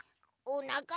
おなか？